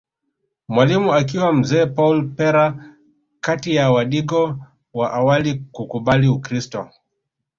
Mwalimu akiwa mzee Paul Pera kati ya wadigo wa awali kukubali Ukiristo